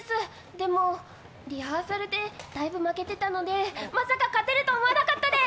でも、リハーサルでだいぶ負けてたのでまさか勝てるとは思わなかったです！